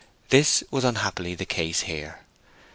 This was unhappily the case here.